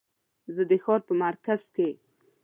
زه د ښار په مرکز کې